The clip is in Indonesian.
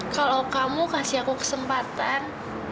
kalau kamu kasih aku kesempatan